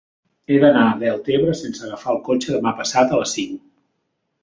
He d'anar a Deltebre sense agafar el cotxe demà passat a les cinc.